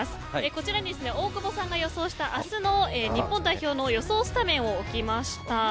こちらに大久保さんが予想した明日の日本代表の予想スタメンを置きました。